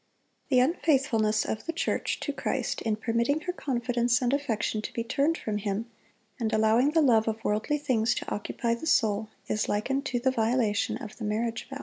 (626) The unfaithfulness of the church to Christ in permitting her confidence and affection to be turned from Him, and allowing the love of worldly things to occupy the soul, is likened to the violation of the marriage vow.